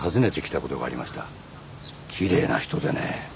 きれいな人でね。